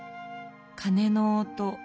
鐘の音